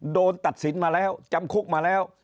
โดนตัดสินมาแล้วจำคุกมาแล้ว